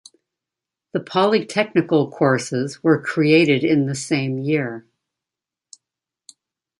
The polytechnical courses were created in the same year.